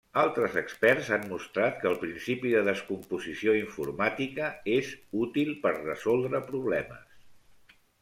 Altres experts han mostrat que el principi de descomposició informàtica és útil per resoldre problemes.